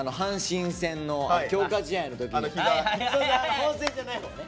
本戦じゃないほうね。